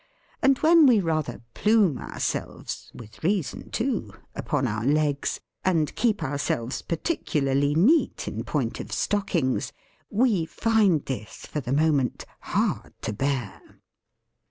And when we rather plume ourselves (with reason too) upon our legs, and keep ourselves particularly neat in point of stockings, we find this, for the moment, hard to bear.